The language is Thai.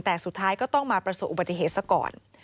แต่สุดท้ายก็ต้องมาประสบอุบัติเหตุซะก่อน